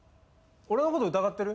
俺のこと疑ってる？